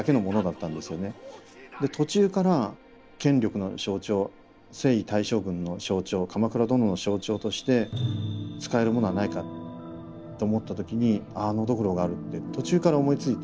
途中から権力の象徴征夷大将軍の象徴鎌倉殿の象徴として使えるものはないかと思った時にあのドクロがあるって途中から思いついて。